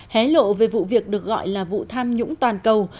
hé lộ về vụ việc được gọi là vụ tham nhũng toàn cầu